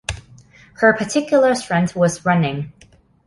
Her particular strength was running.